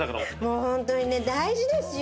もうホントにね大事ですよ！